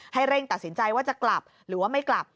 เร่งตัดสินใจว่าจะกลับหรือว่าไม่กลับ